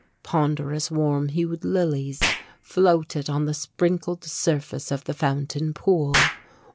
Ponderous warm hued lilies floated on the sprinkled surface of the fountain pool.